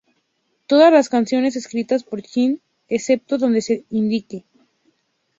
Todas las canciones escritas por Sting excepto donde se indique.